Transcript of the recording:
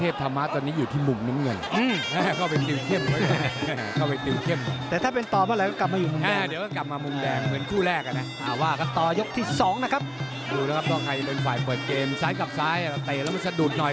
ใส่กลับซ้ายมาตะนี้ไม่ซะดุดหน่อย